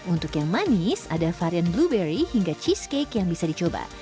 untuk yang manis ada varian blueberry hingga cheesecake yang bisa dicoba